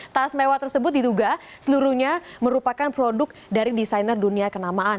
tas mewah tersebut diduga seluruhnya merupakan produk dari desainer dunia kenamaan